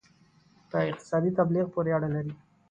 په اقتصادي تبلیغ پورې اړه لري.